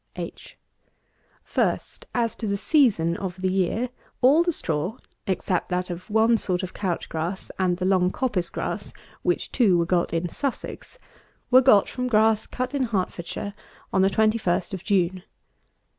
H. First, as to the season of the year, all the straw, except that of one sort of couch grass, and the long coppice grass, which two were got in Sussex, were got from grass cut in Hertfordshire on the 21st of June.